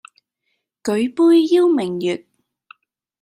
舉杯邀明月，